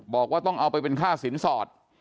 บอกว่าต้องเอาไปเป็นค่าสินสอด